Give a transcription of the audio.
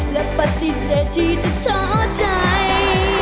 และปฏิเสธที่จะท้อใจ